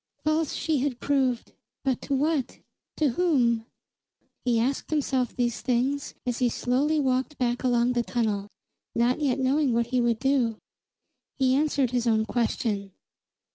False she had proved, but to what? To whom? He asked himself these things as he slowly walked back along the tunnel, not yet knowing what he would do. He answered his own question.